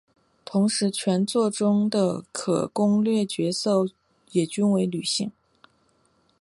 同时全作中的可攻略角色也均为女性。